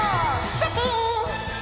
シャキーン！